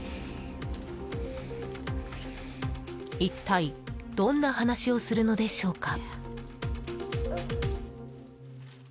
一体どんな話をするのでしょうか。